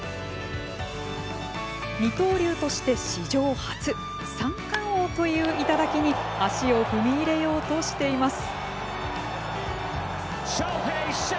二刀流として、史上初三冠王という頂に足を踏み入れようとしています。